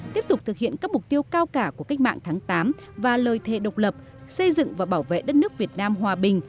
tiếp tục thực hiện các mục tiêu cao cả của cách mạng tháng tám và lời thề độc lập xây dựng và bảo vệ đất nước việt nam hòa bình